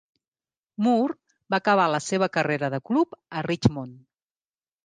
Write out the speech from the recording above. Moore va acabar la seva carrera de club a Richmond.